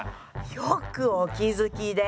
よくお気付きで！